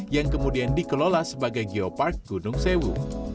yang kemudian dikelola sebagai geopark gunung sewu